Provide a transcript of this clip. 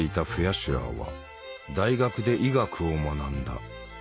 シュアーは大学で医学を学んだ。